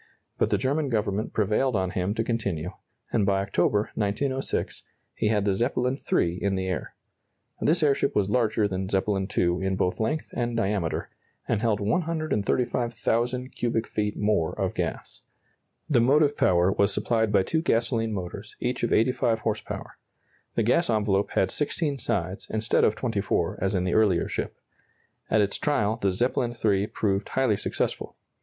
But the German Government prevailed on him to continue, and by October, 1906, he had the Zeppelin III in the air. This airship was larger than Zeppelin II in both length and diameter, and held 135,000 cubic feet more of gas. The motive power was supplied by two gasoline motors, each of 85 horse power. The gas envelope had 16 sides, instead of 24, as in the earlier ship. At its trial the Zeppelin III proved highly successful.